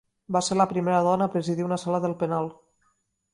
Va ser la primera dona a presidir una Sala del Penal.